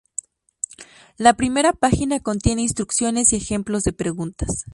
La primera página contiene instrucciones y ejemplos de preguntas.